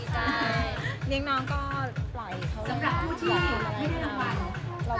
เรียกน้องก็ปล่อยเขามาให้รางวัล